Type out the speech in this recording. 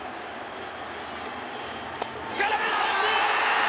空振り三振！